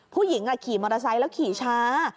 ผู้หญิงขี่มอเตอร์ไซค์แล้วขี่ช้า